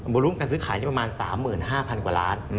รวมการซื้อขายนี่ประมาณ๓๕๐๐กว่าล้าน